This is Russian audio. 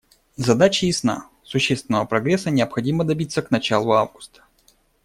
Задача ясна: существенного прогресса необходимо добиться к началу августа.